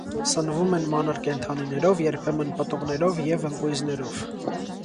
Սնվում են մանր կենդանիներով, երբեմն պտուղներով և ընկույզներով։